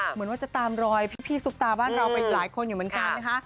เหมือนว่าจะตามรอยพี่ซุปตาบ้านเราไปหลายคนอยู่เหมือนกันนะคะ